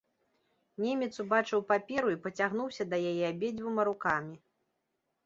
Немец убачыў паперу і пацягнуўся да яе абедзвюма рукамі.